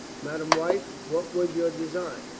"Madame wife, what was your design?"